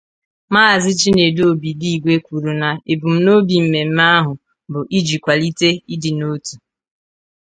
Maazị Chinedu Obidigwe kwùrù na ebumnobi mmemme ahụ bụ iji kwàlite ịdịnotu